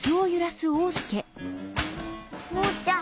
おうちゃん